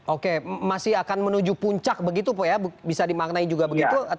oke masih akan menuju puncak begitu pak ya bisa dimaknai juga begitu